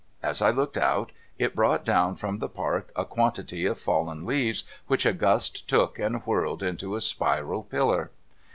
As I looked out, it brought down from the Park a quantity of fallen leaves, which a gust took, and whirled into a spiral pillar.